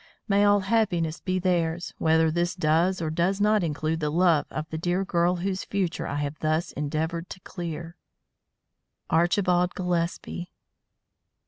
May all happiness be theirs, whether this does or does not include the love of the dear girl whose future I have thus endeavoured to clear. ARCHIBALD GILLESPIE.